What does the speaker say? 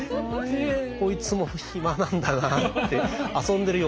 こいつも暇なんだなって遊んでるよ